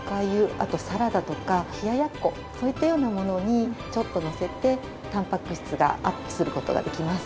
あとサラダとか冷ややっこそういったようなものにちょっとのせてタンパク質がアップする事ができます。